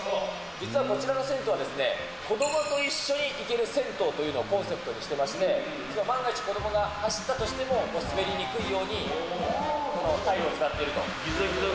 実はこちらは子どもと一緒に行ける銭湯というのをコンセプトにしていまして、万が一、子どもが走ったとしても滑りにくいようにこのタイルを使ってると。